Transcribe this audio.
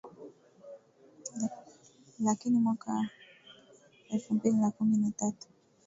Lakini mwaka elfu mbili na kumi na tatu